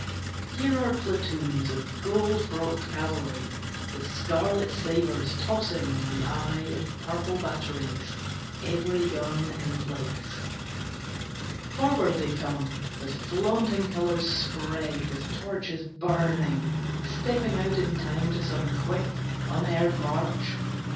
Here are platoons of gold frocked cavalry, With scarlet sabres tossing in the eye Of purple batteries, every gun in place. Forward they come, with flaunting colours spread, With torches burning, stepping out in time To some quick, unheard march.